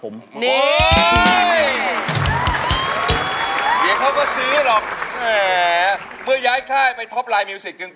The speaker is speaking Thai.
มูลค่า๔ร้อง